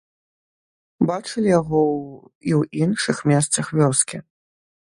Бачылі яго і ў іншых месцах вёскі.